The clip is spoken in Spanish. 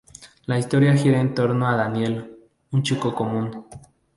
La historia gira en torno a Daniel, un chico común.